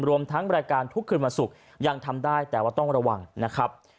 รวมทั้งรายการทุกคืนวันศุกร์ยังทำได้แต่ว่าต้องระวังนะครับ